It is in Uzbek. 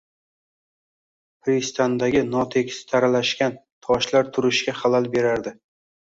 Pristandagi notekis tarashlangan toshlar yurishga xalal berardi